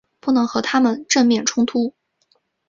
不能和他们正面冲突